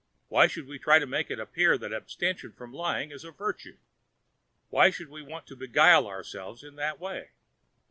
Why should we try to make it appear that abstention from lying is a virtue? Why should we want to beguile ourselves in that way?